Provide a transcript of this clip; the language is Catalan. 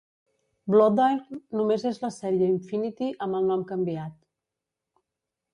"Bloodiron" només és la sèrie Infinity amb el nom canviat.